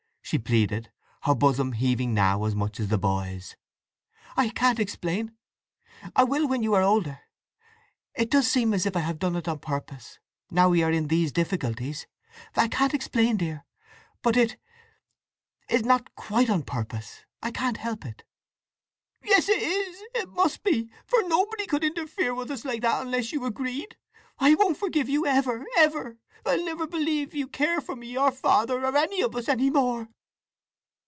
she pleaded, her bosom heaving now as much as the boy's. "I can't explain—I will when you are older. It does seem—as if I had done it on purpose, now we are in these difficulties! I can't explain, dear! But it—is not quite on purpose—I can't help it!" "Yes it is—it must be! For nobody would interfere with us, like that, unless you agreed! I won't forgive you, ever, ever! I'll never believe you care for me, or Father, or any of us any more!"